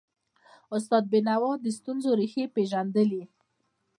استاد بینوا د ستونزو ریښې پېژندلي.